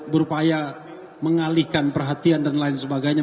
berupaya mengalihkan perhatian dan lain sebagainya